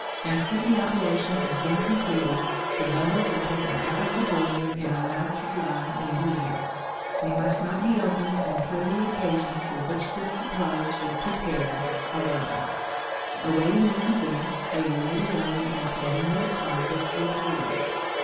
After the operation has been completed, the bundles are taken out of the boiler and allowed to dry in the air. They must not be opened until the occasion for which the supplies were prepared arrives; awaiting this event, they are laid away in a convenient closet or drawer.